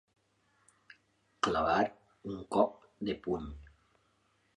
Clavar un cop de puny.